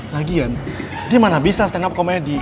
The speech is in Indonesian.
lagian dia mana bisa stand up komedi